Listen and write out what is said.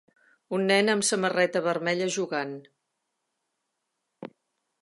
Un nen amb samarreta vermella jugant.